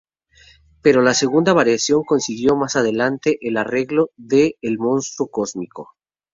Pero la segunda variación consiguió más adelante el arreglo de El Monstruo Cósmico.